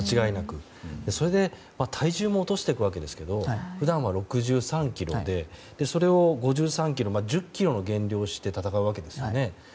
それで体重も落としていくわけですが普段は６３ｋｇでそれを５３ｋｇまで１０ｋｇの減量をして戦うわけですよね。